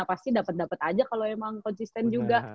pasti dapet dapet aja kalau emang konsisten juga